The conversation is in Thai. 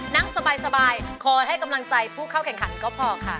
นั่งสบายคอยให้กำลังใจผู้เข้าแข่งขันก็พอค่ะ